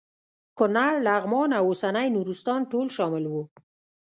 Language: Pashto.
کونړ لغمان او اوسنی نورستان ټول شامل وو.